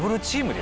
で